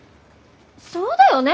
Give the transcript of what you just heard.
そうだよね。